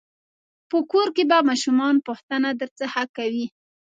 په کور کې به ماشومان پوښتنه درڅخه کوي.